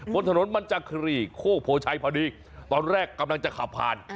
บนถนนมันจักรีโคกโพชัยพอดีตอนแรกกำลังจะขับผ่าน